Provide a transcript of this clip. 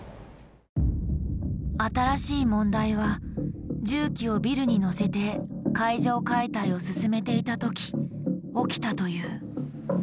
新しい問題は重機をビルに乗せて階上解体を進めていた時起きたという。